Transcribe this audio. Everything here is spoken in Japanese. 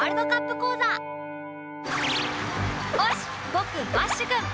僕バッシュくん。